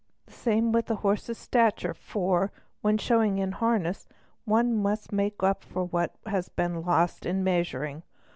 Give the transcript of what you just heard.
The same with a horse's stature, for, when showing in harness, one "must make up for what has been lost in measuring.